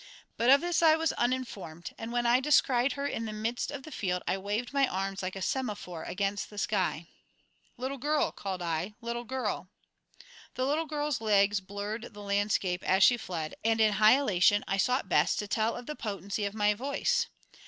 But of this I was uninformed, and when I descried her in the midst of the field I waved my arms like a semaphore against the sky. "Little girl!" called I. "Little girl!" The little girl's legs blurred the landscape as she fled, and in high elation I sought Bess to tell of the potency of my voice.